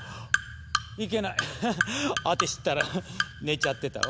いけないアテシったら寝ちゃってたわ。